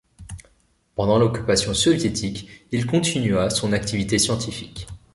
Pendant l'occupation soviétique, il continue son activité scientifique.